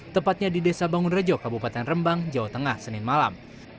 tepatnya di desa bangunrejo kabupaten rembang jawa tengah senin malam